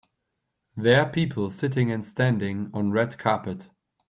There people sitting and standing on red carpet.